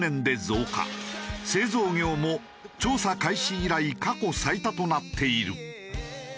製造業も調査開始以来過去最多となっている。